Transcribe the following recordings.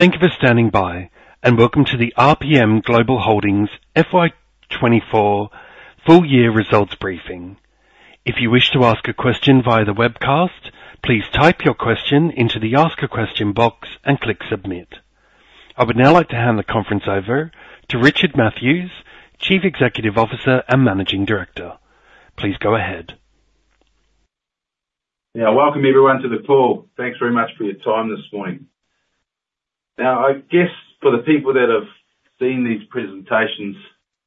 Thank you for standing by, and welcome to the RPM Global Holdings FY2024 full year results briefing. If you wish to ask a question via the webcast, please type your question into the Ask a Question box and click Submit. I would now like to hand the conference over to Richard Mathews, Chief Executive Officer and Managing Director. Please go ahead. Yeah, welcome everyone to the call. Thanks very much for your time this morning. Now, I guess for the people that have seen these presentations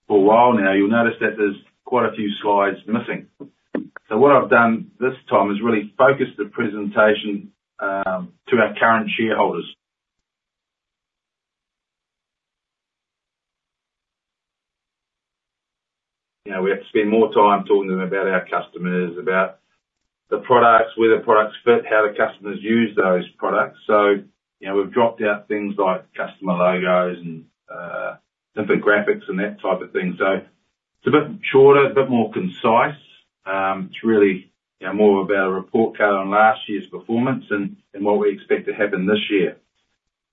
for a while now, you'll notice that there's quite a few slides missing, so what I've done this time is really focus the presentation to our current shareholders. You know, we have to spend more time talking about our customers, about the products, where the products fit, how the customers use those products, so you know, we've dropped out things like customer logos and infographics and that type of thing, so it's a bit shorter, a bit more concise. It's really, you know, more of about a report card on last year's performance and what we expect to happen this year,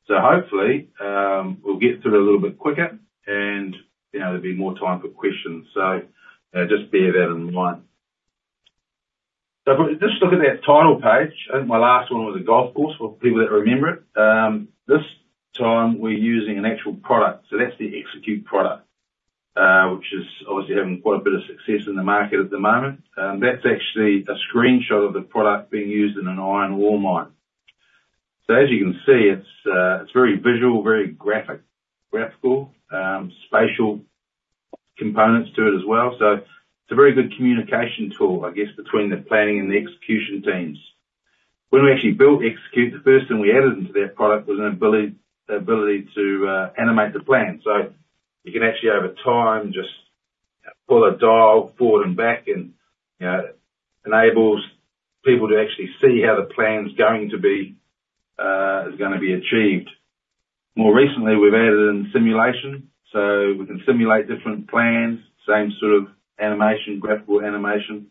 so hopefully we'll get through it a little bit quicker and you know, there'll be more time for questions. So, just bear that in mind. So if we just look at that title page, I think my last one was a golf course, for people that remember it. This time, we're using an actual product, so that's the Xecute product, which is obviously having quite a bit of success in the market at the moment. That's actually a screenshot of the product being used in an iron ore mine. So as you can see, it's very visual, very graphic, graphical, spatial components to it as well. So it's a very good communication tool, I guess, between the planning and the execution teams. When we actually built Xecute, the first thing we added into that product was the ability to animate the plan. So you can actually, over time, just pull a dial forward and back and enables people to actually see how the plan's going to be, is gonna be achieved. More recently, we've added in simulation, so we can simulate different plans, same sort of animation, graphical animation.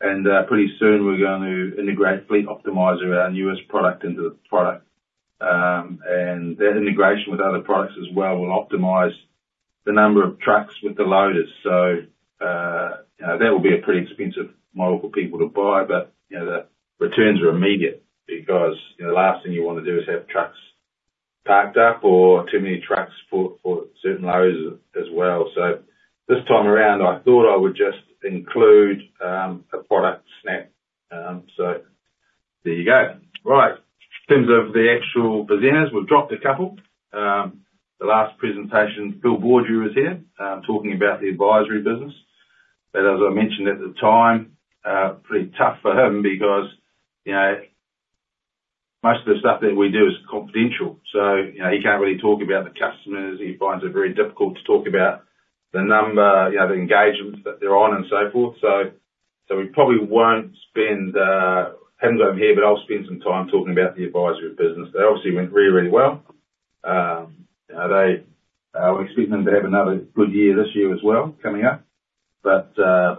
And pretty soon, we're going to integrate Fleet Optimizer, our newest product, into the product. And that integration with other products as well will optimize the number of trucks with the loaders. So you know, that will be a pretty expensive model for people to buy, but you know, the returns are immediate because you know, the last thing you wanna do is have trucks parked up or too many trucks for certain loads as well. So this time around, I thought I would just include a product snap. So there you go. Right. In terms of the actual presenters, we've dropped a couple. The last presentation, Philippe Baudry was here, talking about the advisory business. But as I mentioned at the time, pretty tough for him because, you know, most of the stuff that we do is confidential, so, you know, he can't really talk about the customers. He finds it very difficult to talk about the number, you know, the engagements that they're on, and so forth. So we probably won't send him over here, but I'll spend some time talking about the advisory business. That obviously went really, really well. You know, they, we're expecting them to have another good year this year as well, coming up, but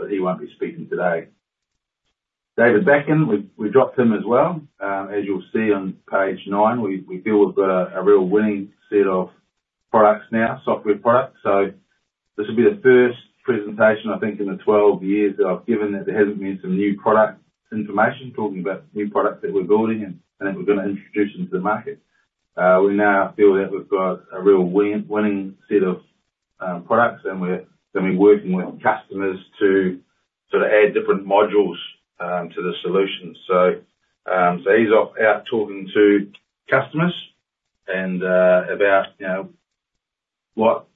he won't be speaking today. David Batkin, we dropped him as well. As you'll see on page 9, we deal with a real winning set of products now, software products. So this will be the first presentation, I think, in the 12 years that I've given, that there hasn't been some new product information, talking about new products that we're building and that we're gonna introduce into the market. We now feel that we've got a real winning set of products, and we're gonna be working with customers to sort of add different modules to the solution. So he's off out talking to customers and about, you know, what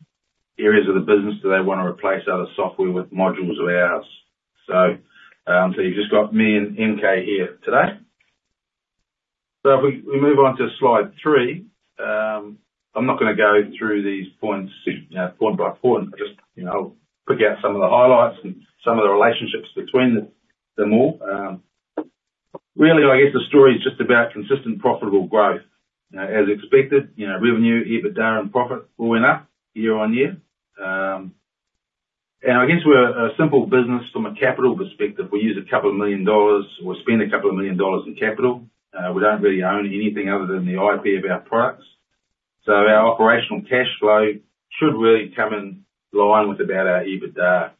areas of the business do they want to replace other software with modules of ours. So you've just got me and MK here today. So if we move on to slide three, I'm not gonna go through these points, you know, point by point. I just, you know, I'll pick out some of the highlights and some of the relationships between them all. Really, I guess, the story is just about consistent profitable growth. As expected, you know, revenue, EBITDA, and profit all went up year on year. And I guess we're a simple business from a capital perspective. We use a couple of million dollars or spend a couple of million dollars in capital. We don't really own anything other than the IP of our products. So our operational cash flow should really come in line with about our EBITDA.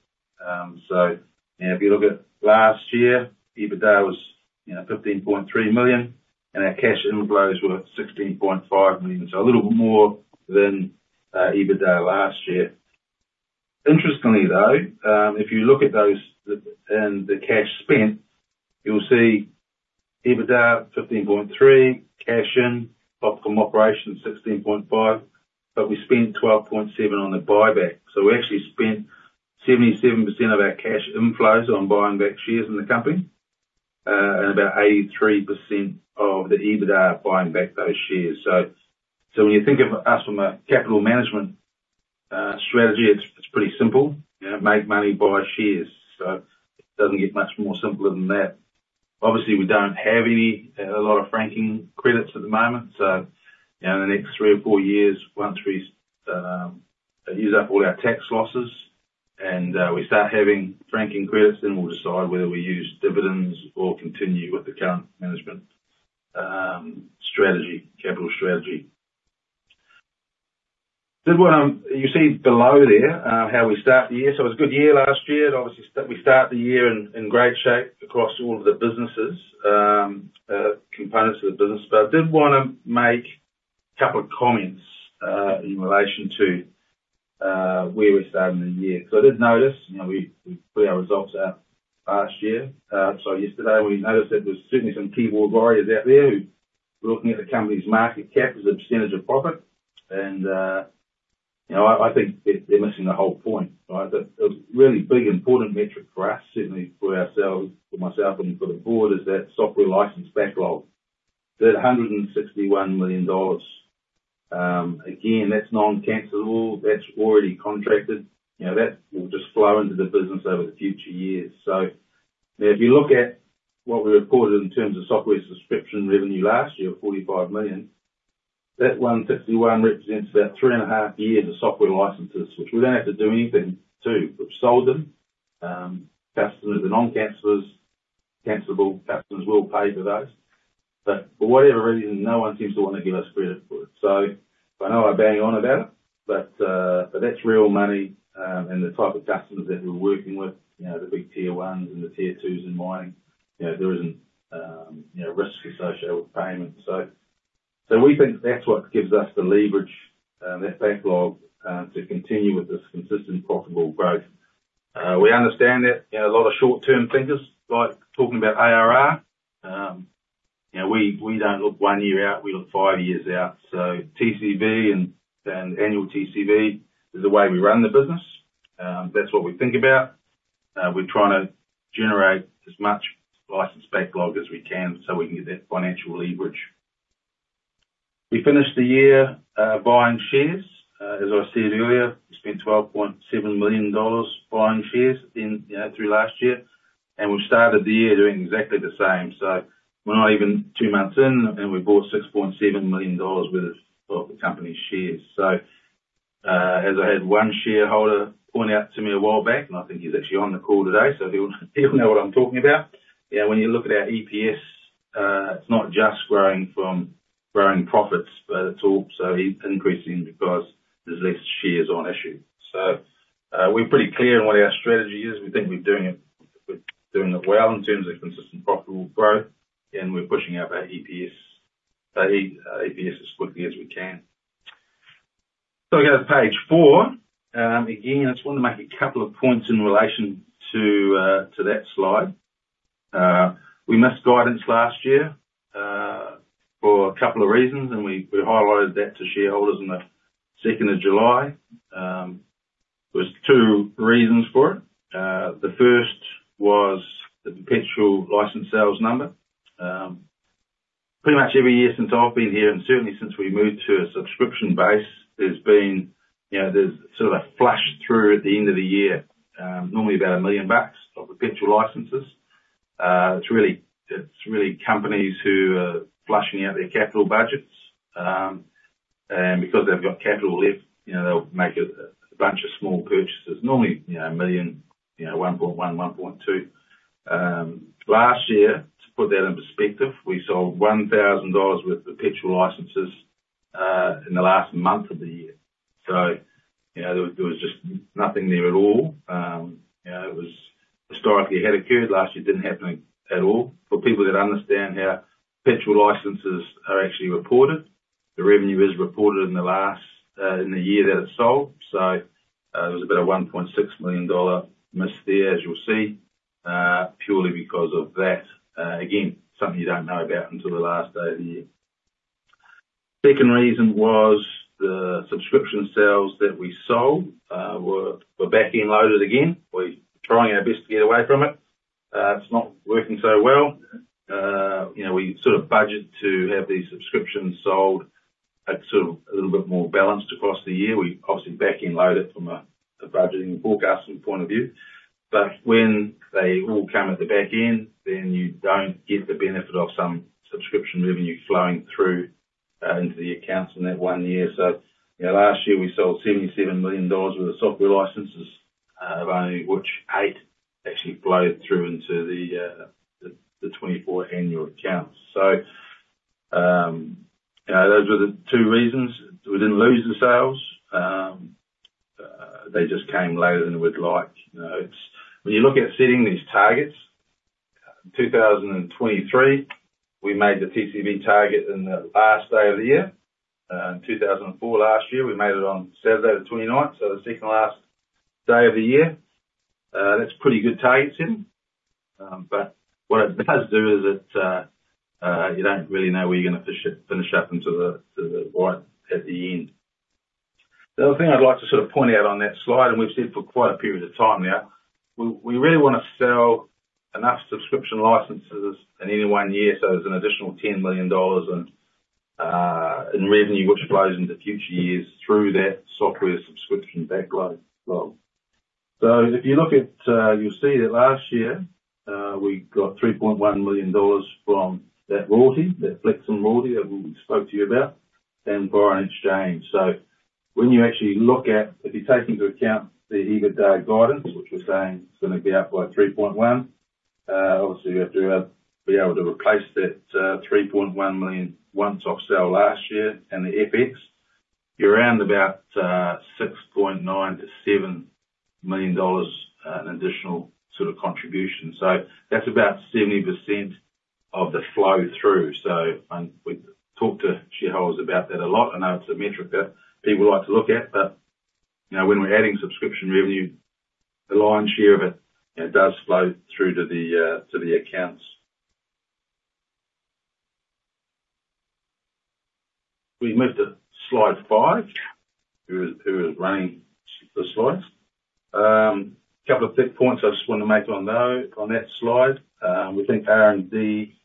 So, and if you look at last year, EBITDA was, you know, 15.3 million, and our cash inflows were 16.5 million. So a little more than EBITDA last year. Interestingly, though, if you look at those and the cash spent, you'll see EBITDA 15.3, cash in from operation 16.5, but we spent 12.7 on the buyback. So we actually spent 77% of our cash inflows on buying back shares in the company, and about 83% of the EBITDA buying back those shares. So when you think of us from a capital management strategy, it's pretty simple. You know, make money, buy shares. So it doesn't get much more simpler than that. Obviously, we don't have a lot of franking credits at the moment, so you know, in the next three or four years, once we use up all our tax losses-... We start having franking credits, then we'll decide whether we use dividends or continue with the current management strategy, capital strategy. I did want you to see below there how we start the year. It was a good year last year. Obviously, we start the year in great shape across all of the businesses, components of the business. But I did wanna make a couple of comments in relation to where we're starting the year. I did notice, you know, we put our results out last year, so yesterday, we noticed that there's certainly some keyboard warriors out there who were looking at the company's market cap as a percentage of profit. You know, I think they're missing the whole point, right? The really big, important metric for us, certainly for ourselves, for myself and for the board, is that software license backlog. That 161 million dollars, again, that's non-cancellable, that's already contracted. You know, that will just flow into the business over the future years. So now, if you look at what we reported in terms of software subscription revenue last year, 45 million, that 151 million represents about three and a half years of software licenses, which we don't have to do anything to. We've sold them, customers are non-cancellable. Cancellable customers will pay for those. But for whatever reason, no one seems to wanna give us credit for it. So I know I bang on about it, but that's real money, and the type of customers that we're working with, you know, the big Tier 1s and the tier twos in mining, you know, there isn't, you know, risk associated with payment. So we think that's what gives us the leverage, that backlog, to continue with this consistent profitable growth. We understand that, you know, a lot of short-term thinkers like talking about ARR. You know, we don't look one year out, we look five years out. So TCV and annual TCV is the way we run the business. That's what we think about. We're trying to generate as much license backlog as we can, so we can get that financial leverage. We finished the year buying shares. As I said earlier, we spent 12.7 million dollars buying shares in through last year, and we've started the year doing exactly the same. So we're not even two months in, and we bought 6.7 million dollars worth of the company's shares. So, as I had one shareholder point out to me a while back, and I think he's actually on the call today, so he'll know what I'm talking about. You know, when you look at our EPS, it's not just growing from growing profits, but it's also increasing because there's less shares on issue. So, we're pretty clear on what our strategy is. We think we're doing it, we're doing it well in terms of consistent, profitable growth, and we're pushing up our EPS as quickly as we can. So we go to page 4. Again, I just want to make a couple of points in relation to that slide. We missed guidance last year for a couple of reasons, and we highlighted that to shareholders on the second of July. There was two reasons for it. The first was the perpetual license sales number. Pretty much every year since I've been here, and certainly since we moved to a subscription base, there's been, you know, there's sort of a flush through at the end of the year. Normally about 1 million bucks of perpetual licenses. It's really, it's really companies who are flushing out their capital budgets, and because they've got capital left, you know, they'll make a bunch of small purchases. Normally, you know, 1 million, you know, 1.1, 1.2. Last year, to put that in perspective, we sold 1,000 dollars worth of perpetual licenses in the last month of the year. So, you know, there was just nothing there at all. You know, it was historically had occurred last year, didn't happen at all. For people that understand how perpetual licenses are actually reported, the revenue is reported in the year that it's sold. So, there was about a 1.6 million dollar miss there, as you'll see, purely because of that. Again, something you don't know about until the last day of the year. Second reason was the subscription sales that we sold were back-end loaded again. We're trying our best to get away from it. It's not working so well. You know, we sort of budget to have these subscriptions sold at sort of a little bit more balanced across the year. We obviously back-end load it from a budgeting forecasting point of view, but when they all come at the back end, then you don't get the benefit of some subscription revenue flowing through into the accounts in that one year. So, you know, last year, we sold AUD 77 million worth of software licenses, of only which 8 million actually flowed through into the 2024 annual accounts. So, you know, those were the two reasons. We didn't lose the sales. They just came later than we'd like. You know, it's. When you look at setting these targets, 2023, we made the TCV target in the last day of the year. In 2004 last year, we made it on Saturday, the 29th, so the second to last day of the year. That's pretty good targeting. But what it does do is it, you don't really know where you're gonna finish up until the, till the right at the end. The other thing I'd like to sort of point out on that slide, and we've said for quite a period of time now, we really wanna sell enough subscription licenses in any one year, so there's an additional 10 million dollars in revenue, which flows into future years through that software subscription backlog as well. So if you look at, you'll see that last year, we got 3.1 million dollars from that royalty, that Flex royalty that we spoke to you about, and foreign exchange. So when you actually look at, if you take into account the EBITDA guidance, which we're saying is gonna be up by 3.1 million, obviously, you have to be able to replace that 3.1 million one-off sale last year in the FX, you're around about 6.9-7 million dollars, an additional sort of contribution. So that's about 70% of the flow through. So we've talked to shareholders about that a lot. I know it's a metric that people like to look at, but you know, when we're adding subscription revenue, the lion's share of it, it does flow through to the accounts. We move to slide five. Who is running the slides? A couple of quick points I just wanna make on those, on that slide. We think R&D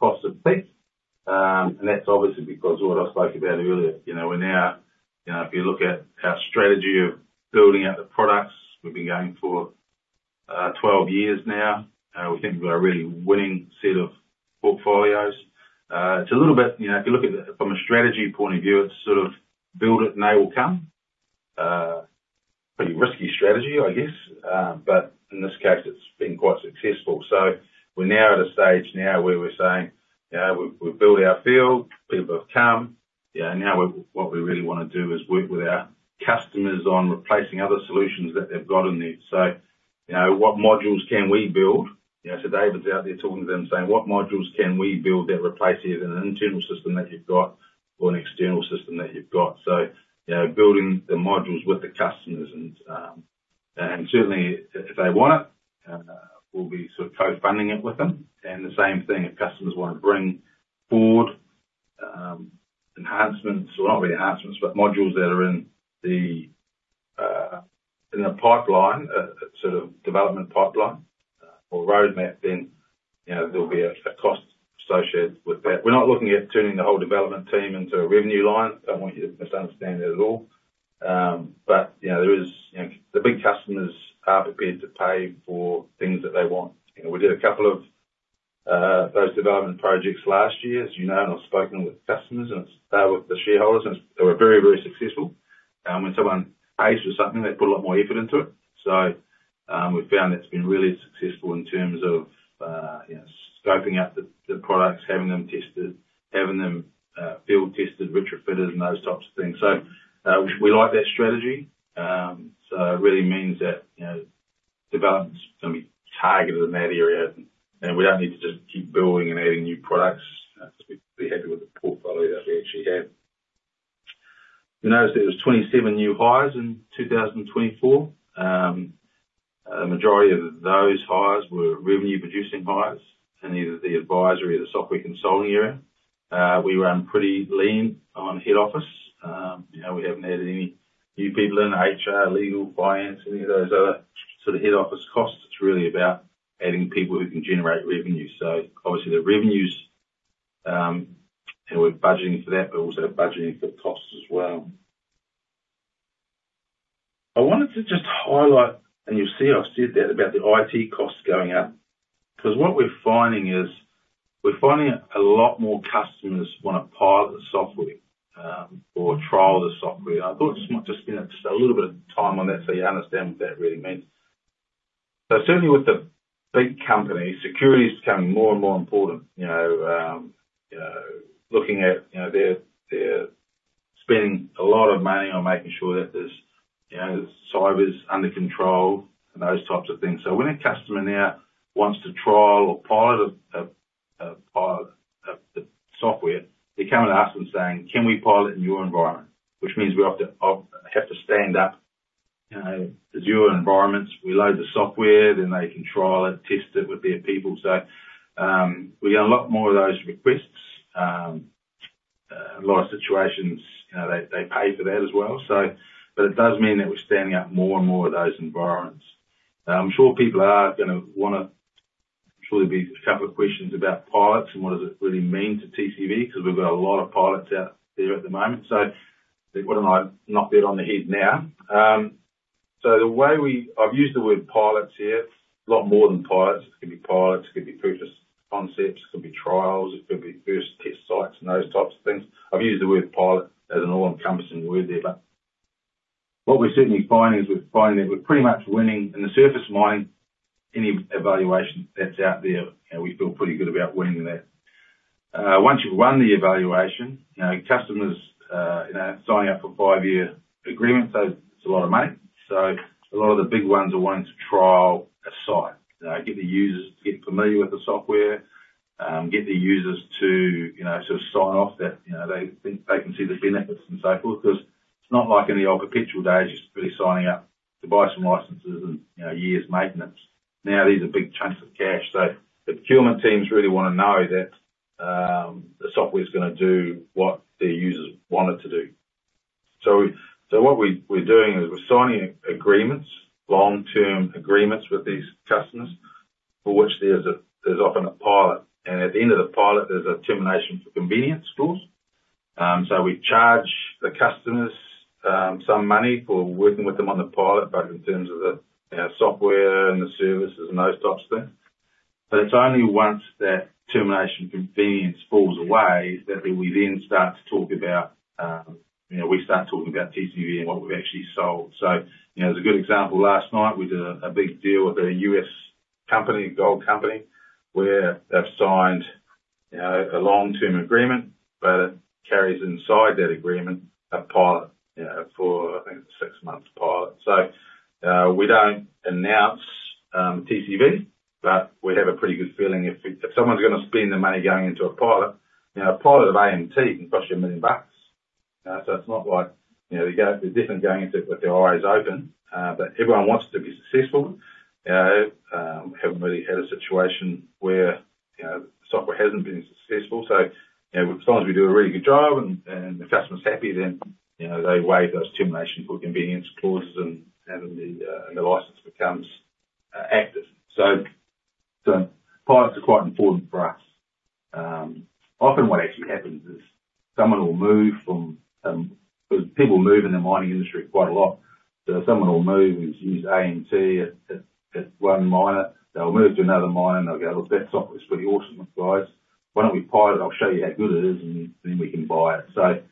costs are fit, and that's obviously because what I spoke about earlier. You know, we're now, you know, if you look at our strategy of building out the products, we've been going for 12 years now. We think we've got a really winning set of portfolios. It's a little bit, you know, if you look at it from a strategy point of view, it's sort of build it and they will come. Pretty risky strategy, I guess, but in this case, it's been quite successful. So we're now at a stage now where we're saying, "You know, we've built our field, people have come." Yeah, now what we really wanna do is work with our customers on replacing other solutions that they've got in there. So, you know, what modules can we build? You know, so David's out there talking to them, saying, "What modules can we build that replaces an internal system that you've got or an external system that you've got?" So, you know, building the modules with the customers and, and certainly if they want it, we'll be sort of co-funding it with them. And the same thing, if customers wanna bring forward, enhancements or not really enhancements, but modules that are in the pipeline, sort of development pipeline, or roadmap, then, you know, there'll be a cost associated with that. We're not looking at turning the whole development team into a revenue line. Don't want you to misunderstand that at all. But, you know, there is, you know... The big customers are prepared to pay for things that they want. You know, we did a couple of those development projects last year, as you know, and I've spoken with customers, and with the shareholders, and they were very, very successful. When someone pays for something, they put a lot more effort into it. So, we've found that's been really successful in terms of, you know, scoping out the products, having them tested, having them field tested, retrofitted and those types of things. So, we like that strategy. So it really means that, you know, development's gonna be targeted in that area, and we don't need to just keep building and adding new products. We're pretty happy with the portfolio that we actually have. You'll notice there was 27 new hires in 2024. The majority of those hires were revenue-producing hires in either the advisory or the software consulting area. We run pretty lean on head office. You know, we haven't added any new people in HR, legal, finance, any of those other sort of head office costs. It's really about adding people who can generate revenue. So obviously the revenues, you know, we're budgeting for that, but also budgeting for the costs as well. I wanted to just highlight, and you'll see I've said that about the IT costs going up, 'cause what we're finding is a lot more customers wanna pilot the software or trial the software, and I thought it might just, you know, just a little bit of time on that so you understand what that really means. So certainly, with the big companies, security is becoming more and more important. You know, you know, looking at, you know, they're spending a lot of money on making sure that there's, you know, cyber's under control and those types of things. So when a customer now wants to trial or pilot a pilot, the software, they're coming to us and saying, "Can we pilot in your environment?" Which means we have to stand up, you know, the Azure environments. We load the software, then they can trial it, test it with their people. So, we get a lot more of those requests. A lot of situations, you know, they pay for that as well, so. But it does mean that we're standing up more and more of those environments. I'm sure people are gonna wanna surely be a couple of questions about pilots and what does it really mean to TCV, 'cause we've got a lot of pilots out there at the moment. So why don't I knock that on the head now? So I've used the word pilots here, a lot more than pilots. It could be pilots, it could be proof of concepts, it could be trials, it could be first test sites and those types of things. I've used the word pilot as an all-encompassing word there. But what we're certainly finding is, we're finding that we're pretty much winning in the surface mining, any evaluation that's out there, you know, we feel pretty good about winning that. Once you've won the evaluation, you know, customers, you know, signing up for five-year agreements, so it's a lot of money. So a lot of the big ones are wanting to trial a site, get the users to get familiar with the software, get the users to, you know, sort of sign off that, you know, they can see the benefits and so forth. 'Cause it's not like in the old perpetual days, just really signing up to buy some licenses and, you know, years' maintenance. Now, these are big chunks of cash, so the procurement teams really wanna know that, the software's gonna do what their users want it to do. So what we're doing is we're signing agreements, long-term agreements with these customers, for which there's often a pilot. And at the end of the pilot, there's a termination for convenience clause. We charge the customers some money for working with them on the pilot, but in terms of the, you know, software and the services and those types of things. But it's only once that termination for convenience falls away, that we then start to talk about, you know, we start talking about TCV and what we've actually sold. As a good example, last night, we did a big deal with a U.S. company, gold company, where they've signed a long-term agreement, but it carries inside that agreement, a pilot for, I think, a six-month pilot. We don't announce TCV, but we have a pretty good feeling if someone's gonna spend the money going into a pilot, you know, a pilot of AMT can cost you $1 million. So it's not like, you know, they're definitely going into it with their eyes open, but everyone wants to be successful. Haven't really had a situation where, you know, software hasn't been successful. So, you know, as long as we do a really good job and the customer's happy, then, you know, they waive those termination for convenience clauses, and the license becomes active. So pilots are quite important for us. Often what actually happens is someone will move from... 'Cause people move in the mining industry quite a lot. So someone will move and use AMT at one mine. They'll move to another mine, and they'll go, "Look, that software's pretty awesome, guys. Why don't we pilot it? I'll show you how good it is, and then we can buy it,"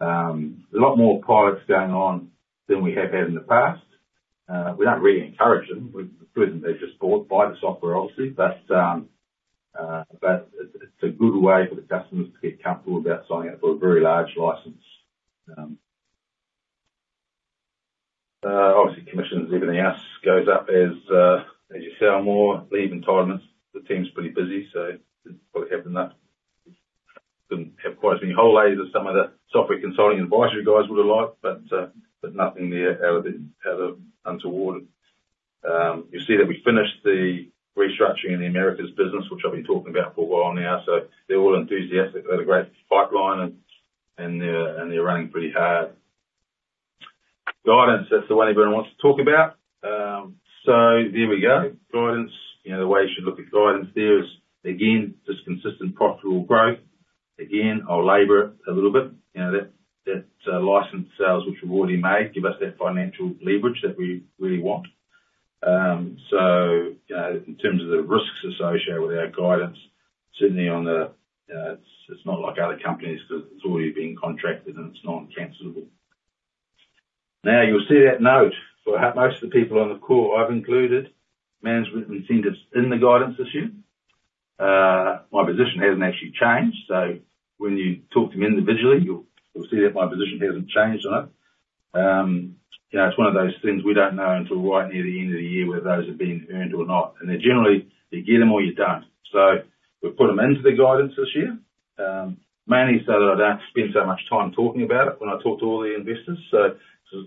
so a lot more pilots going on than we have had in the past. We don't really encourage them. We'd prefer them, they just buy the software obviously. But it's a good way for the customers to get comfortable about signing up for a very large license. Obviously, commissions, everything else goes up as you sell more. Leave entitlements, the team's pretty busy, so it's probably having that. We didn't have quite as many holidays as some of the software consulting advisory guys would've liked, but nothing there out of untoward. You'll see that we finished the restructuring in the Americas business, which I've been talking about for a while now, so they're all enthusiastic. They've got a great pipeline, and they're running pretty hard. Guidance, that's the one everyone wants to talk about. So there we go. Guidance, you know, the way you should look at guidance there is, again, just consistent profitable growth. Again, I'll labor it a little bit, you know, that license sales which we've already made give us that financial leverage that we really want. So, in terms of the risks associated with our guidance, certainly on the, it's not like other companies, 'cause it's already been contracted, and it's non-cancelable. Now, you'll see that note, for most of the people on the call, I've included management incentives in the guidance this year. My position hasn't actually changed. So when you talk to me individually, you'll see that my position hasn't changed on it. You know, it's one of those things we don't know until right near the end of the year, whether those have been earned or not. And they're generally, you get them or you don't. So we've put them into the guidance this year, mainly so that I don't have to spend so much time talking about it when I talk to all the investors. So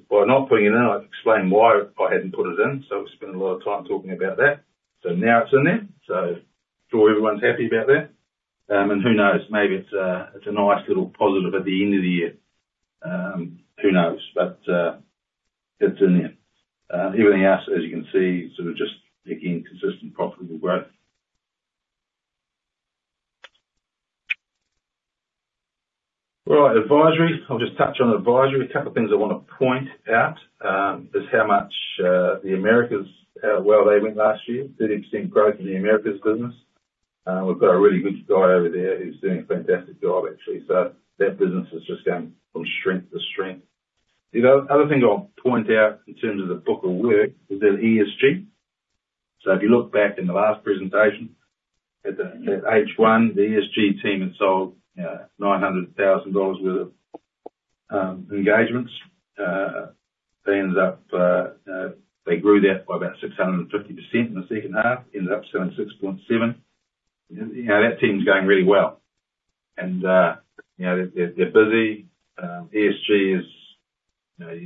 by not putting it in, I'd explain why I hadn't put it in, so I've spent a lot of time talking about that. So now it's in there, so I'm sure everyone's happy about that. And who knows? Maybe it's a, it's a nice little positive at the end of the year. Who knows? But it's in there. Everything else, as you can see, sort of just, again, consistent, profitable growth. Right, advisory. I'll just touch on advisory. A couple of things I wanna point out is how much the Americas how well they went last year. 30% growth in the Americas business. We've got a really good guy over there who's doing a fantastic job, actually. So that business has just gone from strength to strength. The other thing I'll point out in terms of the book of work is that ESG. So if you look back in the last presentation at H1, the ESG team had sold 900,000 dollars worth of engagements. They grew that by about 650% in the second half, ended up selling 6.7 million. You know, that team's going really well. And you know, they're busy. ESG is, you know,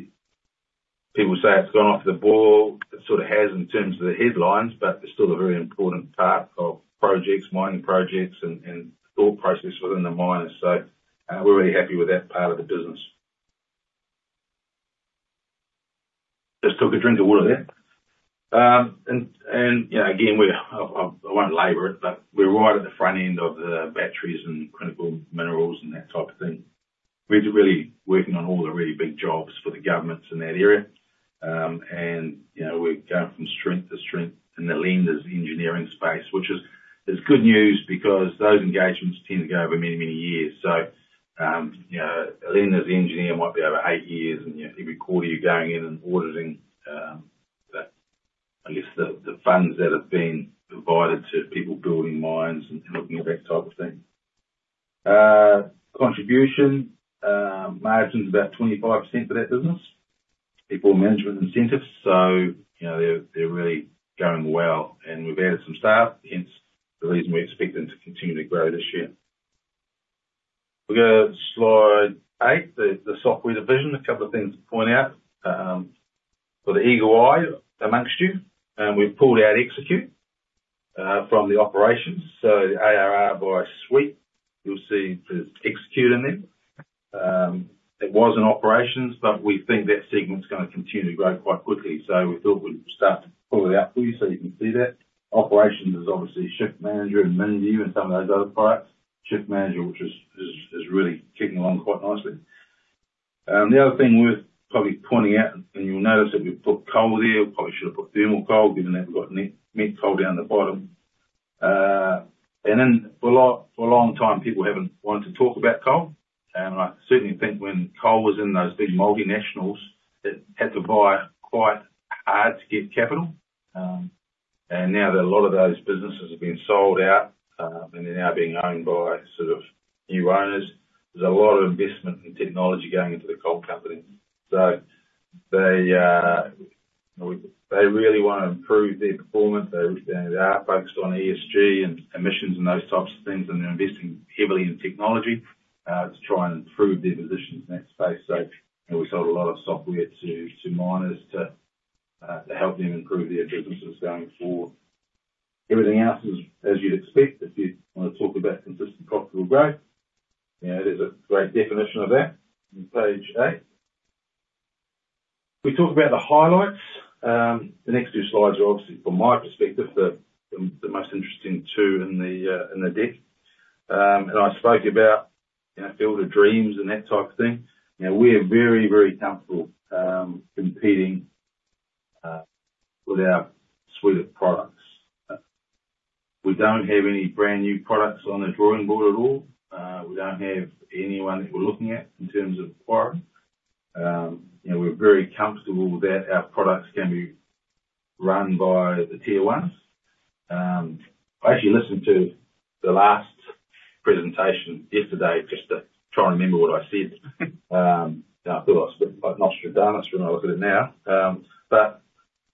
people say it's gone off the boil. It sort of has, in terms of the headlines, but it's still a very important part of projects, mining projects and thought process within the miners. So, we're really happy with that part of the business. Just took a drink of water there. And, you know, again, we're. I won't labor it, but we're right at the front end of the batteries and critical minerals, and that type of thing. We're really working on all the really big jobs for the governments in that area. And, you know, we're going from strength to strength in the lender's engineering space, which is good news because those engagements tend to go over many, many years. So, you know, a lender's engineer might be over eight years, and, you know, every quarter you're going in and auditing the, I guess the funds that have been provided to people building mines and looking at that type of thing. Contribution margin's about 25% for that business, before management incentives. So, you know, they're really going well. And we've added some staff, hence, the reason we expect them to continue to grow this year. We'll go to slide eight, the software division. A couple of things to point out. For the eagle eye amongst you, we've pulled out Xecute from the operations. So ARR by suite, you'll see the Xecute in there. It was in operations, but we think that segment's gonna continue to grow quite quickly, so we thought we'd start to pull it out for you, so you can see that. Operations is obviously Shift Manager and Minvu, and some of those other products. Shift Manager, which is really clicking along quite nicely. The other thing worth probably pointing out, and you'll notice that we've put coal there, we probably should have put thermal coal, given that we've got met coal down the bottom. And then for a long time, people haven't wanted to talk about coal. And I certainly think when coal was in those big multinationals, that had to buy quite hard to get capital. And now that a lot of those businesses have been sold out, and they're now being owned by sort of new owners, there's a lot of investment in technology going into the coal companies. So they really wanna improve their performance. They are focused on ESG and emissions, and those types of things, and they're investing heavily in technology to try and improve their positions in that space. So, you know, we sold a lot of software to miners to help them improve their businesses going forward. Everything else is as you'd expect, if you wanna talk about consistent profitable growth, you know, there's a great definition of that on page 8. We talked about the highlights. The next two slides are obviously, from my perspective, the most interesting two in the deck. And I spoke about, you know, field of dreams and that type of thing. You know, we are very, very comfortable competing with our suite of products. We don't have any brand new products on the drawing board at all. We don't have anyone that we're looking at, in terms of acquiring. You know, we're very comfortable that our products can be run by the tier ones. I actually listened to the last presentation yesterday, just to try and remember what I said. I feel like Nostradamus when I look at it now. But,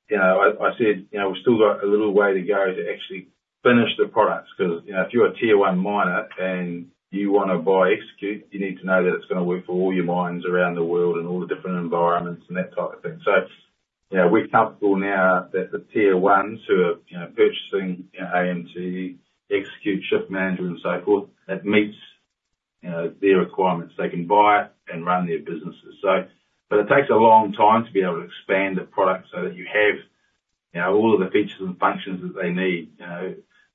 you know, I said, you know, we've still got a little way to go to actually finish the products, 'cause, you know, if you're a Tier 1 miner, and you wanna buy Xecute, you need to know that it's gonna work for all your mines around the world, and all the different environments, and that type of thing. So, you know, we're comfortable now that the Tier 1s who are, you know, purchasing AMT, Xecute, Shift Manager, and so forth, that meets, you know, their requirements. They can buy it and run their businesses. So, but it takes a long time to be able to expand a product so that you have, you know, all of the features and functions that they need. You know,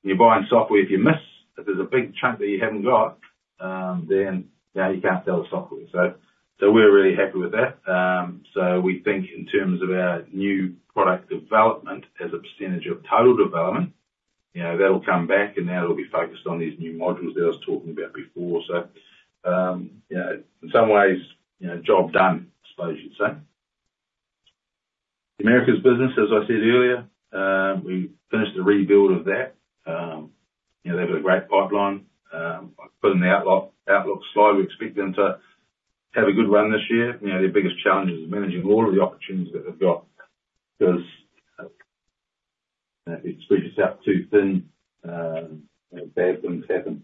when you're buying software, if you miss, if there's a big chunk that you haven't got, then, you know, you can't sell the software. So, so we're really happy with that. So we think in terms of our new product development as a percentage of total development, you know, that'll come back, and that'll be focused on these new modules that I was talking about before. So, you know, in some ways, you know, job done, I suppose you'd say. The Americas business, as I said earlier, we finished the rebuild of that. You know, they have a great pipeline. I put in the outlook slide, we expect them to have a good run this year. You know, their biggest challenge is managing all of the opportunities that they've got, because if you spread yourself too thin, bad things happen.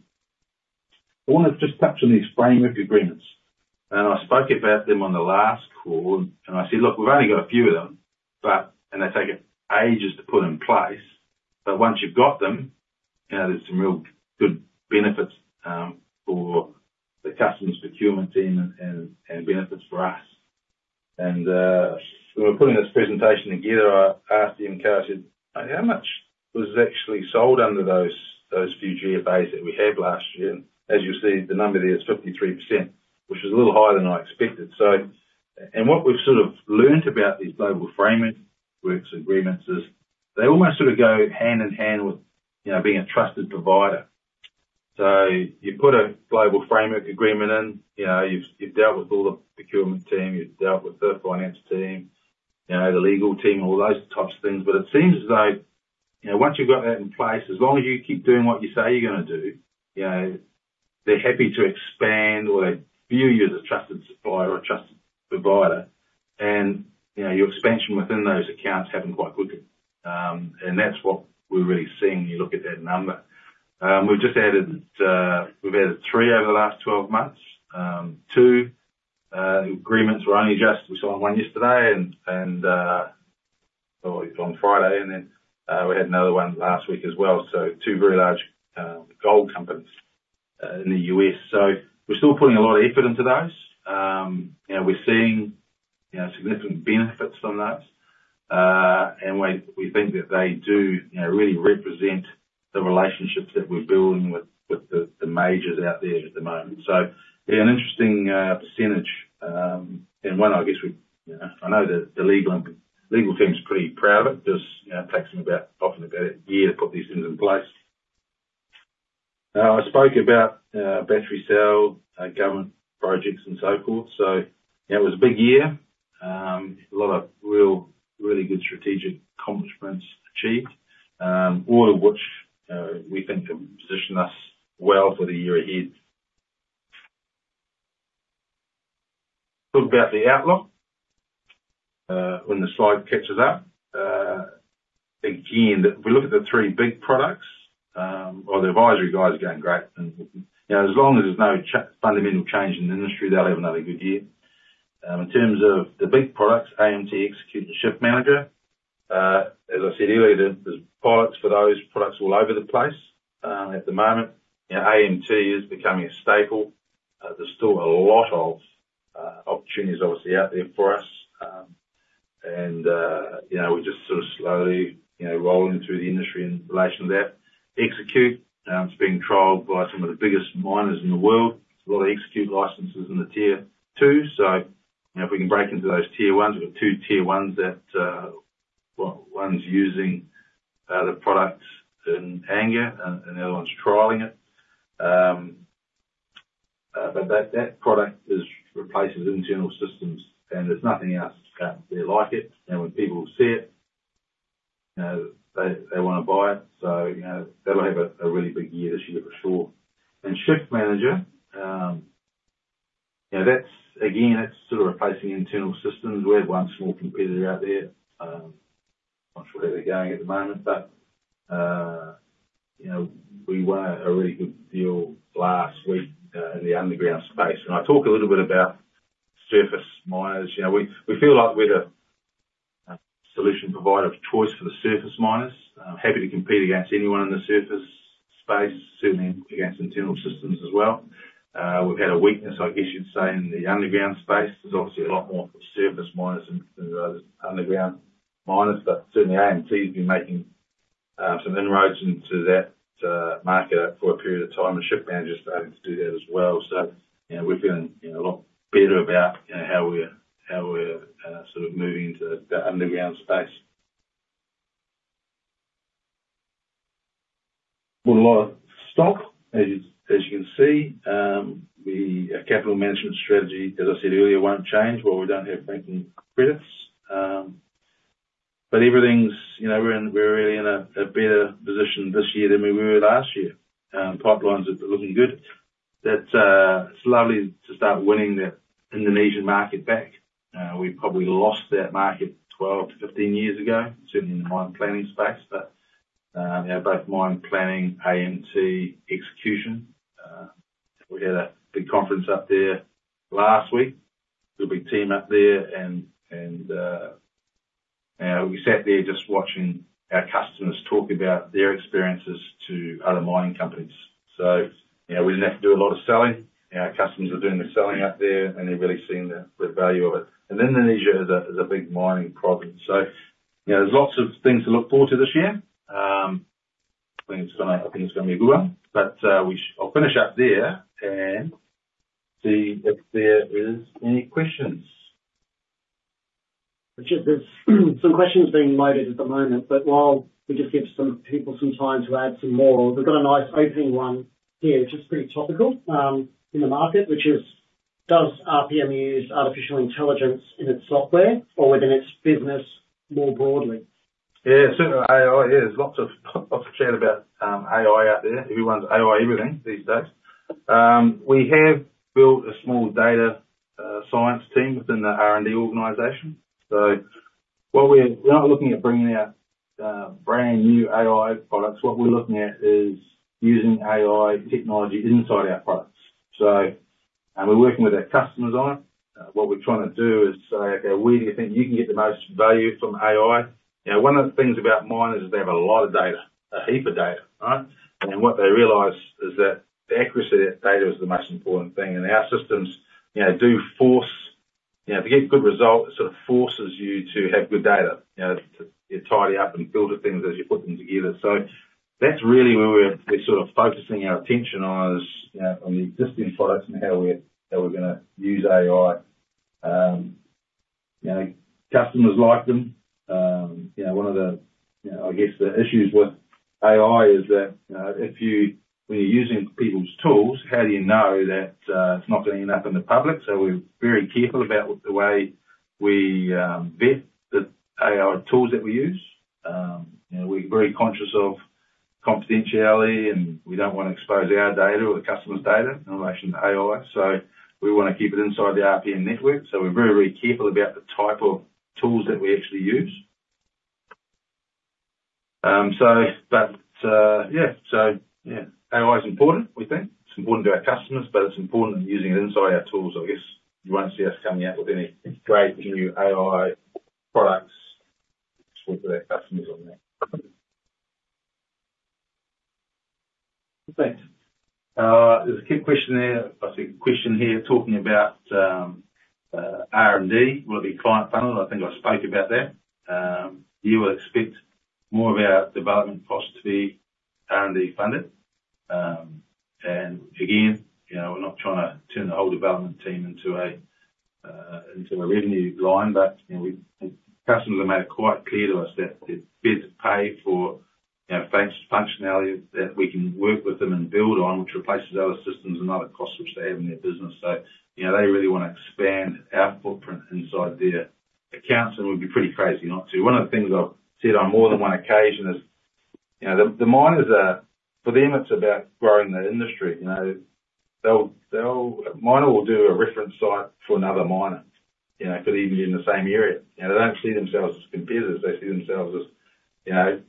I wanna just touch on the framework agreements, and I spoke about them on the last call, and I said, "Look, we've only got a few of them, but... And they take ages to put in place. But once you've got them, you know, there's some real good benefits for the customer's procurement team and benefits for us," and when we were putting this presentation together, I asked Iain Carter, "How much was actually sold under those few GFAs that we had last year?" As you'll see, the number there is 53%, which is a little higher than I expected. And what we've sort of learned about these global framework agreements is, they almost sort of go hand in hand with, you know, being a trusted provider. So you put a global framework agreement in, you know, you've dealt with all the procurement team, you've dealt with the finance team, you know, the legal team, all those types of things. But it seems as though, you know, once you've got that in place, as long as you keep doing what you say you're gonna do, you know, they're happy to expand or view you as a trusted supplier or a trusted provider. And, you know, your expansion within those accounts happen quite quickly. And that's what we're really seeing when you look at that number. We've just added three over the last 12 months. Two agreements were only just... We saw one yesterday and well, it was on Friday, and then we had another one last week as well. So two very large gold companies in the U.S. So we're still putting a lot of effort into those. You know, we're seeing you know, significant benefits from those. And we think that they do you know, really represent the relationships that we're building with the majors out there at the moment. So yeah, an interesting percentage, and one I guess we you know I know the legal team's pretty proud of it, because you know, it takes them often about a year to put these things in place. I spoke about battery cell government projects, and so forth. So that was a big year. A lot of real, really good strategic accomplishments achieved, all of which, we think have positioned us well for the year ahead. Talk about the outlook, when the slide catches up. Again, if we look at the three big products, well, the advisory guy is going great, and, you know, as long as there's no fundamental change in the industry, they'll have another good year. In terms of the big products, AMT, Xecute, and Shift Manager, as I said earlier, there's pilots for those products all over the place, at the moment. You know, AMT is becoming a staple. There's still a lot of, opportunities obviously out there for us.... And, you know, we're just sort of slowly, you know, rolling through the industry in relation to that. Xecute, it's being trialed by some of the biggest miners in the world. A lot of Xecute licenses in the Tier 2, so, you know, if we can break into those Tier 1s, we've got two Tier 1s that, well, one's using the products in anger, and the other one's trialing it. But that product is replacing internal systems, and there's nothing else out there like it, and when people see it, you know, they wanna buy it. So, you know, that'll have a really big year this year, for sure. And Shift Manager, you know, that's again sort of replacing internal systems. We have one small competitor out there. Not sure where they're going at the moment, but, you know, we won a really good deal last week in the underground space. I talk a little bit about surface miners. You know, we feel like we're the solution provider of choice for the surface miners. Happy to compete against anyone in the surface space, certainly against internal systems as well. We've had a weakness, I guess you'd say, in the underground space. There's obviously a lot more surface miners than there are underground miners, but certainly AMT's been making some inroads into that market for a period of time, and Shift Manager is starting to do that as well. So, you know, we're feeling, you know, a lot better about, you know, how we're sort of moving into the underground space. With a lot of stock, as you can see, the capital management strategy, as I said earlier, won't change while we don't have banking credits. But everything's. You know, we're really in a better position this year than we were last year. Pipelines are looking good. That it's lovely to start winning the Indonesian market back. We probably lost that market 12-15 years ago, certainly in the mine planning space, but yeah, both mine planning, AMT, execution, we had a big conference up there last week. There'll be team up there and we sat there just watching our customers talk about their experiences to other mining companies. So, you know, we didn't have to do a lot of selling. Our customers are doing the selling out there, and they're really seeing the value of it. And Indonesia is a big mining province. So, you know, there's lots of things to look forward to this year. I think it's gonna be a good one, but I'll finish up there and see if there is any questions. Which is, there's some questions being loaded at the moment, but while we just give some people some time to add some more, we've got a nice opening one here, which is pretty topical, in the market, which is: Does RPM use artificial intelligence in its software or within its business more broadly? Yeah, certainly AI. Yeah, there's lots of chat about AI out there. Everyone's AI everything these days. We have built a small data science team within the R&D organization. So while we're not looking at bringing out brand new AI products, what we're looking at is using AI technology inside our products. So, and we're working with our customers on it. What we're trying to do is say, "Okay, where do you think you can get the most value from AI?" You know, one of the things about miners is they have a lot of data, a heap of data, right? And what they realize is that the accuracy of that data is the most important thing. And our systems, you know, do force. You know, to get good results, it sort of forces you to have good data. You know, too, you tidy up and filter things as you put them together. So that's really where we're sort of focusing our attention on is, you know, on the existing products and how we're gonna use AI. You know, customers like them. You know, one of the, you know, I guess, the issues with AI is that when you're using people's tools, how do you know that it's not ending up in the public? So we're very careful about the way we vet the AI tools that we use. You know, we're very conscious of confidentiality, and we don't wanna expose our data or the customer's data in relation to AI. So we wanna keep it inside the RPM network, so we're very, very careful about the type of tools that we actually use. Yeah, AI is important, we think. It's important to our customers, but it's important using it inside our tools. I guess you won't see us coming out with any great new AI products for our customers on that. Thanks. There's a key question there. I see a question here talking about R&D with the client funnel. I think I spoke about that. You would expect more of our development costs to be R&D funded. And again, you know, we're not trying to turn the whole development team into a revenue line, but, you know, the customers have made it quite clear to us that they're prepared to pay for, you know, functionality that we can work with them and build on, which replaces other systems and other costs which they have in their business. So, you know, they really wanna expand our footprint inside their accounts, and we'd be pretty crazy not to. One of the things I've said on more than one occasion is, you know, the miners are, for them, it's about growing the industry, you know. They'll, a miner will do a reference site for another miner, you know, could even be in the same area. You know, they don't see themselves as competitors. They see themselves as, you know,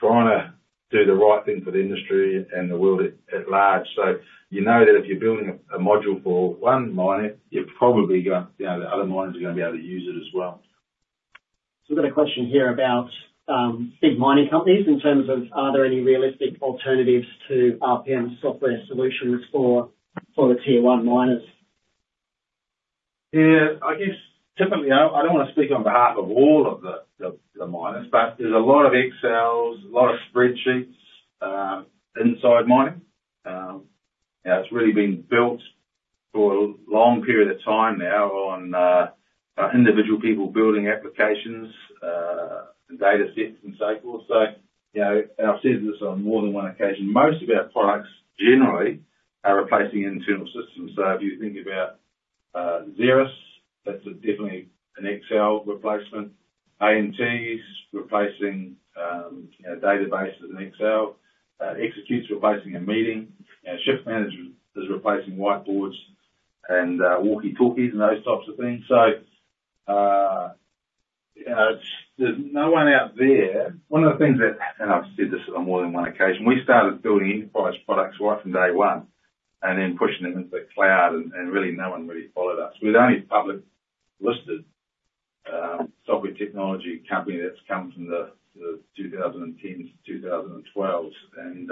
trying to do the right thing for the industry and the world at large. So you know that if you're building a module for one miner, you've probably got... You know, the other miners are gonna be able to use it as well. So we've got a question here about big mining companies in terms of, are there any realistic alternatives to RPM software solutions for the Tier One miners? Yeah, I guess typically, I don't wanna speak on behalf of all of the miners, but there's a lot of Excels, a lot of spreadsheets inside mining. You know, it's really been built for a long period of time now on individual people building applications and data sets and so forth. So, you know, and I've said this on more than one occasion, most of our products generally are replacing internal systems. So if you think about Xeras, that's definitely an Excel replacement. AMT's replacing, you know, database as an Excel. Xecute's replacing a meeting, and Shift Manager is replacing whiteboards and walkie-talkies and those types of things. So, you know, there's no one out there... One of the things that, and I've said this on more than one occasion, we started building enterprise products right from day one, and then pushing them into the cloud, and really, no one really followed us. We're the only public listed software technology company that's come from the 2010s, 2012s. And,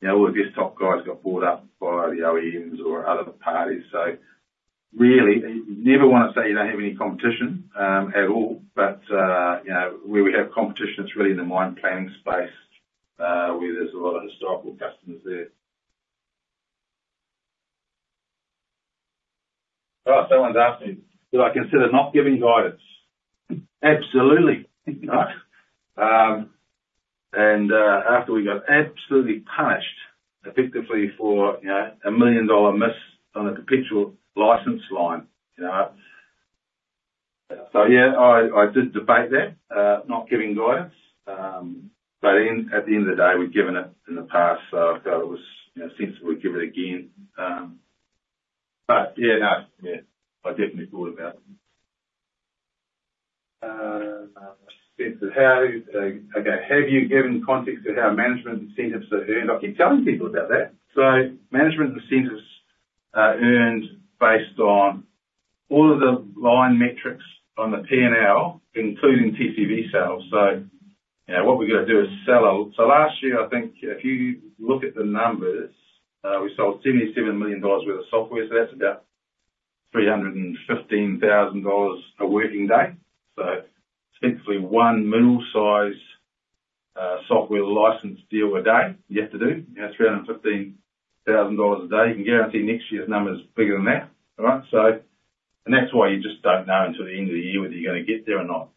you know, all the desktop guys got bought up by the OEMs or other parties. So really, you never wanna say you don't have any competition at all. But, you know, where we have competition, it's really in the mine planning space, where there's a lot of historical customers there. Oh, someone's asking me, do I consider not giving guidance? Absolutely. And, after we got absolutely punished effectively for, you know, an 1 million dollar miss on a perpetual license line, you know? So yeah, I did debate that, not giving guidance. But in, at the end of the day, we've given it in the past, so I felt it was, you know, sensible we give it again. But yeah, no, yeah, I definitely thought about it. Since how, okay, have you given context to how management incentives are earned? I keep telling people about that. So management incentives are earned based on all of the line metrics on the PNL, including TCV sales. So, you know, what we've gotta do is sell. So last year, I think if you look at the numbers, we sold AUD 77 million worth of software. So that's about AUD 315,000 a working day. So essentially one middle-sized software license deal a day, you have to do. You know, 315,000 dollars a day. You can guarantee next year's number is bigger than that. All right? That's why you just don't know until the end of the year whether you're gonna get there or not.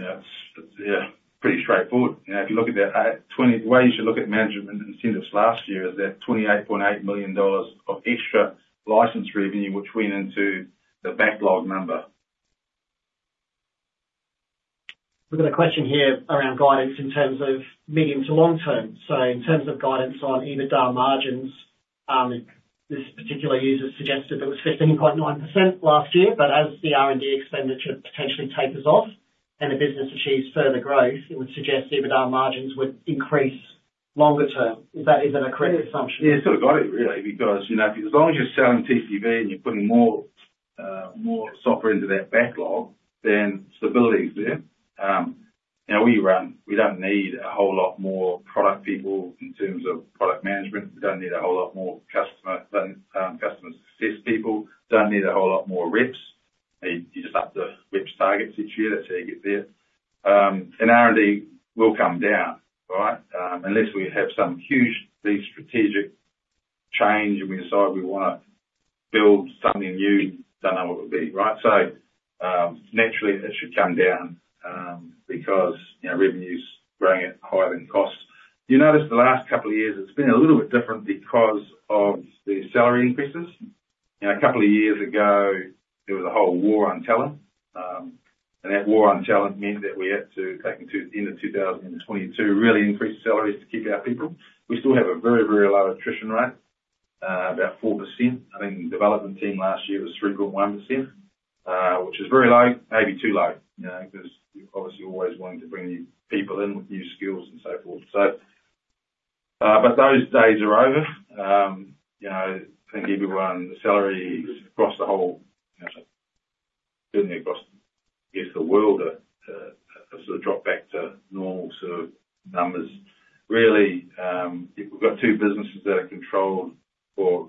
It's pretty straightforward. You know, if you look at that, the way you should look at management incentives last year is that 28.8 million dollars of extra license revenue, which went into the backlog number. We've got a question here around guidance in terms of medium to long term. So in terms of guidance on EBITDA margins, this particular user suggested it was 15.9% last year, but as the R&D expenditure potentially tapers off and the business achieves further growth, it would suggest EBITDA margins would increase longer term. Is that, is that a correct assumption? Yeah, you sort of got it, really, because, you know, as long as you're selling TCV and you're putting more software into that backlog, then stability is there. Now we run. We don't need a whole lot more product people in terms of product management. We don't need a whole lot more customer success people. Don't need a whole lot more reps. You just up the reps' targets each year, that's how you get there. And R&D will come down, right? Unless we have some huge, big strategic change and we decide we wanna build something new, don't know what it would be, right? So, naturally, it should come down, because, you know, revenue's growing at higher than costs. You notice the last couple of years it's been a little bit different because of the salary increases. You know, a couple of years ago, there was a whole war on talent, and that war on talent meant that we had to take it to the end of 2022, really increase salaries to keep our people. We still have a very, very low attrition rate, about 4%. I think the development team last year was 3.1%, which is very low, maybe too low, you know, because you're obviously always wanting to bring new people in with new skills and so forth. But those days are over. You know, I think everyone, the salaries across the whole, you know, certainly across, I guess, the world, sort of dropped back to normal sort of numbers. Really, we've got two businesses that are controlled for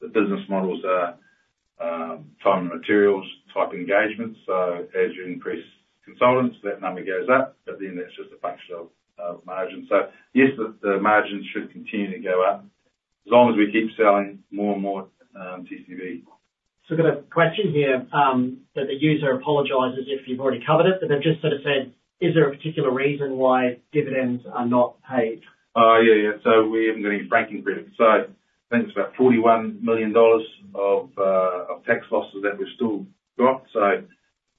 the business models are, time and materials type engagements. So as you increase consultants, that number goes up, but then that's just a function of margin. So yes, the margins should continue to go up as long as we keep selling more and more, TCV. I've got a question here, that the user apologizes if you've already covered it, but they've just sort of said, "Is there a particular reason why dividends are not paid? Oh, yeah, yeah. We haven't got any franking credits. So I think it's about 41 million dollars of tax losses that we've still got.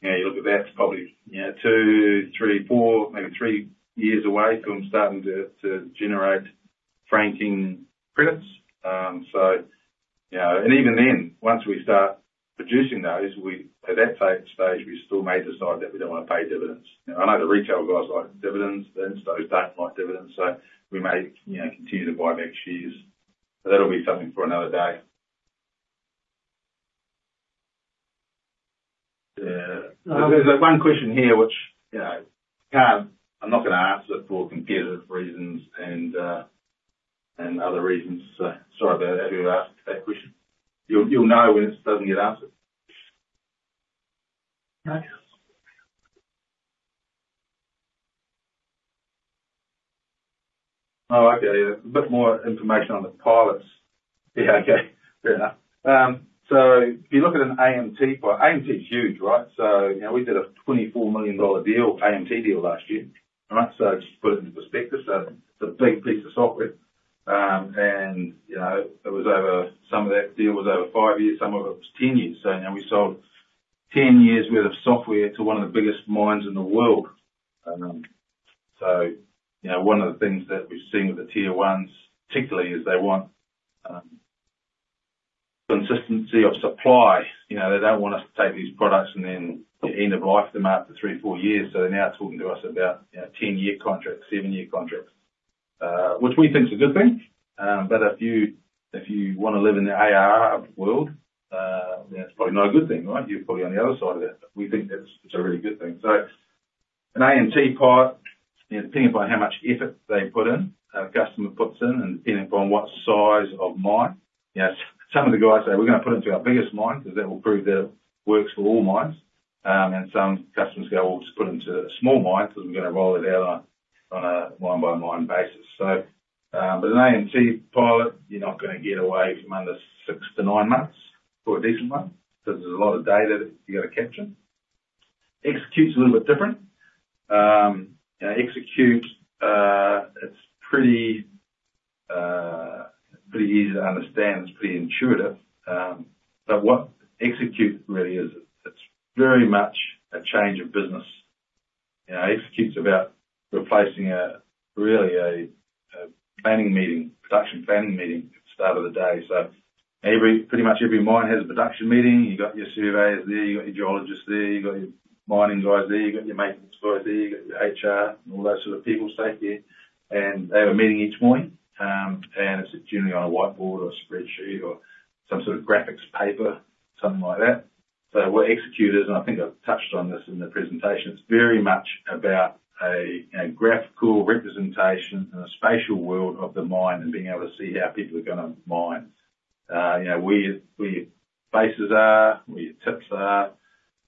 So, you know, you look at that, it's probably, you know, two, three, four, maybe three years away from starting to generate franking credits. So, you know, and even then, once we start producing those, we at that stage still may decide that we don't want to pay dividends. You know, I know the retail guys like dividends, the instos don't like dividends, so we may, you know, continue to buy back shares. But that'll be something for another day. Yeah. There's one question here which, you know, can't. I'm not gonna answer it for competitive reasons and other reasons. So sorry about that, whoever asked that question. You'll know when it doesn't get answered. Okay. Oh, okay. Yeah. A bit more information on the pilots. Yeah, okay, fair enough. So if you look at an AMT pilot, AMT is huge, right? So, you know, we did an 24 million dollar deal, AMT deal last year. All right, so just to put it into perspective, so it's a big piece of software. And, you know, it was over. Some of that deal was over five years, some of it was 10 years. So, you know, we sold 10 years' worth of software to one of the biggest mines in the world. So, you know, one of the things that we've seen with the Tier 1s, particularly, is they want consistency of supply. You know, they don't want us to take these products and then end-of-life them after three or four years. So they're now talking to us about, you know, 10-year contracts, seven-year contracts, which we think is a good thing. But if you, if you wanna live in the ARR world, that's probably not a good thing, right? You're probably on the other side of that. But we think that's, it's a really good thing. So an AMT pilot, you know, depending upon how much effort they put in, a customer puts in, and depending upon what size of mine. You know, some of the guys say, "We're gonna put it into our biggest mine, because that will prove that it works for all mines," and some customers go, "We'll just put into small mines, and we're gonna roll it out on a mine-by-mine basis," so but an AMT pilot, you're not gonna get away from under six-to-nine months for a decent one, because there's a lot of data that you've got to capture. Xecute's a little bit different. Xecute, it's pretty easy to understand. It's pretty intuitive. But what Xecute really is, it's very much a change of business. You know, Xecute's about replacing really a planning meeting, production planning meeting at the start of the day, so pretty much every mine has a production meeting. You've got your surveyors there, you've got your geologists there, you've got your mining guys there, you've got your maintenance guys there, you've got your HR and all those sort of people staff there. And they have a meeting each morning, and it's generally on a whiteboard or a spreadsheet or some sort of graph paper, something like that. So what Xecute is, and I think I've touched on this in the presentation, it's very much about a graphical representation and a spatial world of the mine, and being able to see how people are gonna mine. You know, where your bases are, where your tips are,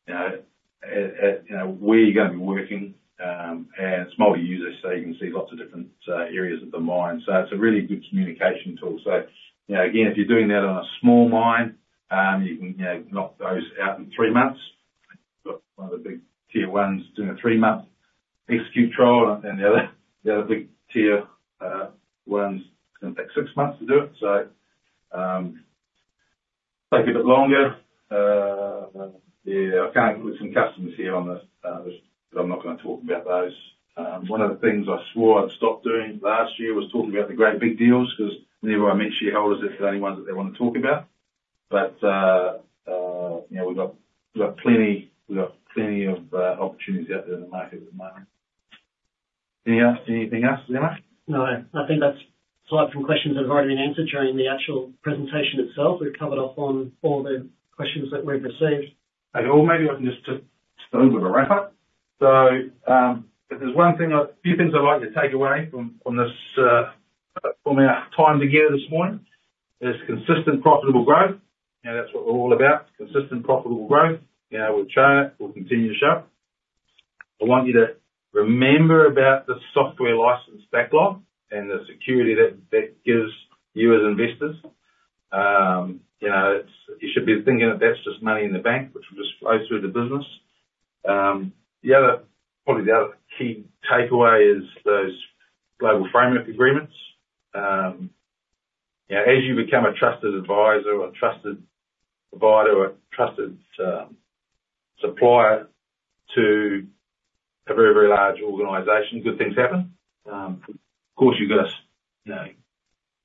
you know, where you're gonna be working. And it's multi-user, so you can see lots of different areas of the mine. So it's a really good communication tool. So, you know, again, if you're doing that on a small mine, you can, you know, knock those out in three months. But one of the big tier ones doing a three-month Xecute trial, and the other big tier ones gonna take six months to do it. So, take a bit longer. Yeah, I've got with some customers here on this, but I'm not gonna talk about those. One of the things I swore I'd stop doing last year, was talking about the great big deals, 'cause whenever I mention shareholders, it's the only ones that they wanna talk about. But, you know, we've got plenty of opportunities out there in the market at the moment. Anything else, [Lemak]? No, I think that's a lot of questions that have already been answered during the actual presentation itself. We've covered off on all the questions that we've received. Okay. Well, maybe I can just a little bit of a wrap-up. So, if there's one thing a few things I'd like to take away from this from our time together this morning is consistent, profitable growth. You know, that's what we're all about, consistent, profitable growth. You know, we'll show it, we'll continue to show it. I want you to remember about the software license backlog and the security that gives you as investors. You know, you should be thinking that that's just money in the bank, which will just flow through the business. The other, probably the other key takeaway is those global framework agreements. You know, as you become a trusted advisor, or a trusted provider, or a trusted supplier to a very, very large organization, good things happen. Of course, you've got to, you know,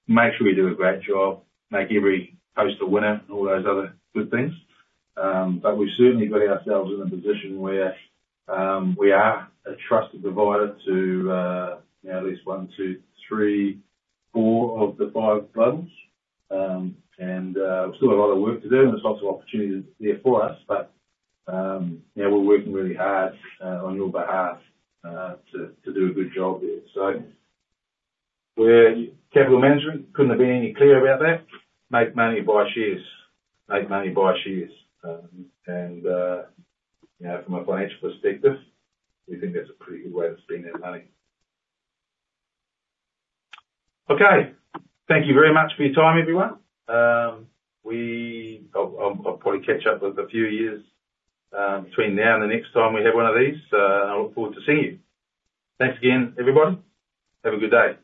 make sure you do a great job, make every post a winner, and all those other good things. But we've certainly got ourselves in a position where we are a trusted provider to, you know, at least one, two, three, four of the five Globals. And we've still got a lot of work to do, and there's lots of opportunities there for us. Yeah, we're working really hard on your behalf to do a good job there. So our capital management couldn't have been any clearer about that. Make money, buy shares. Make money, buy shares. And you know, from a financial perspective, we think that's a pretty good way to spend our money. Okay. Thank you very much for your time, everyone. We... I'll probably catch up with a few of you between now and the next time we have one of these, and I look forward to seeing you. Thanks again, everyone. Have a good day.